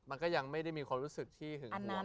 มันก็ยังไม่ได้มีความรู้สึกที่หึงห่วง